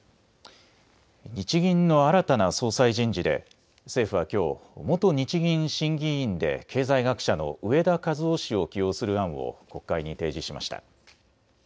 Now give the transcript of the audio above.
日銀の新たな総裁人事で政府はきょう元日銀審議委員で経済学者の植田和男氏を起用する案を国会に提示しました。